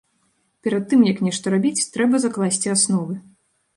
Перад тым, як нешта рабіць, трэба закласці асновы.